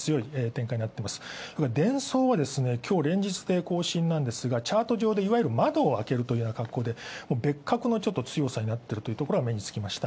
それからデンソーは連日で更新なんですがチャート上でいわゆる窓を開けるという格好で別格の強さになっているところが目に付きました。